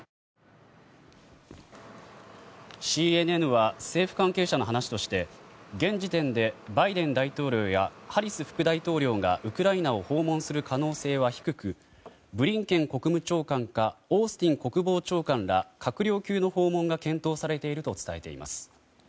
ＣＮＮは政府関係者の話として現時点でバイデン大統領やハリス副大統領がウクライナを訪問する可能性は低くブリンケン国務長官かオースティン国防長官ら閣僚級の訪問が検討されていると伝えています。